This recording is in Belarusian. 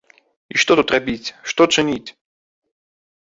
І што тут рабіць, што чыніць?